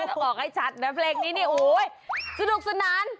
ต้องเขาให้ชัดนะเพลงนี้โอ้ยสุดลุกสนาน